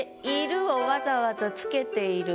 「ゐる」をわざわざ付けている。